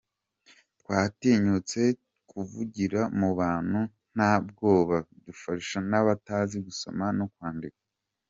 Twatinyutse kuvugira mu bantu nta bwoba, dufasha n’abatazi gusoma no kwandika”.